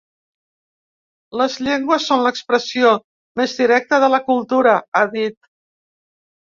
“Les llengües són l’expressió més directa de la cultura”, ha dit.